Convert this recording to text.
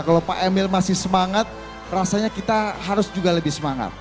kalau pak emil masih semangat rasanya kita harus juga lebih semangat